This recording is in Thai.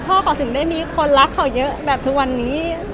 พ่อเขาถึงได้มีคนรักเขาเยอะแบบทุกวันนี้